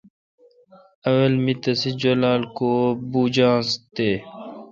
اول می تسے جولال کو بوجانس تے ۔